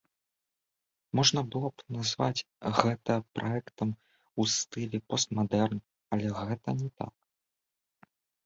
Можна было б назваць гэта праектам у стылі пост-мадэрн, але гэта не так.